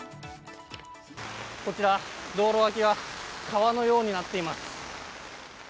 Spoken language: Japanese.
こちら、道路脇は川のようになっています。